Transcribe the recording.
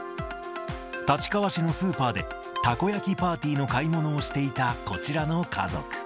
立川市のスーパーで、たこ焼きパーティーの買い物をしていたこちらの家族。